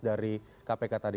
dari kpu sendiri